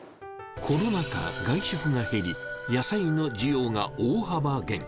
コロナ禍、外食が減り、野菜の需要が大幅減。